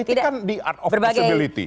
tidak ada yang mustahil